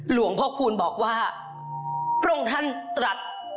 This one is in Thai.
หลวงพ่อคูณบอกว่าพระองค์ท่านตรัส